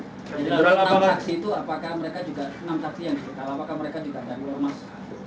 enam saksi yang dihukum apakah mereka juga menanggung emas